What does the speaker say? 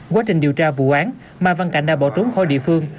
quá trình điều tra vụ án mai văn cảnh đã bỏ trốn khỏi địa phương